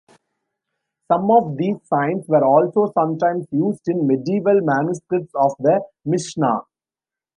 Some of these signs were also sometimes used in medieval manuscripts of the Mishnah.